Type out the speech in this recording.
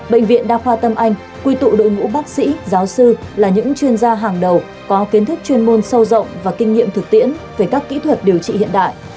bệnh viện đa khoa tâm anh quy tụ đội ngũ bác sĩ giáo sư là những chuyên gia hàng đầu có kiến thức chuyên môn sâu rộng và kinh nghiệm thực tiễn về các kỹ thuật điều trị hiện đại